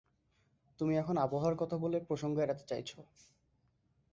তুমি এখন আবহাওয়ার কথা বলে প্রসঙ্গ এড়াতে চাইছ।